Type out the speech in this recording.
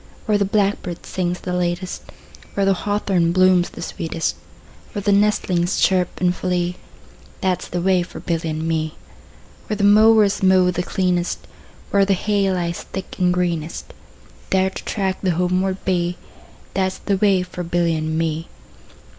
Where the blackbird sings the latest, 5 Where the hawthorn blooms the sweetest, Where the nestlings chirp and flee, That 's the way for Billy and me. Where the mowers mow the cleanest, Where the hay lies thick and greenest, 10 There to track the homeward bee, That 's the way for Billy and me.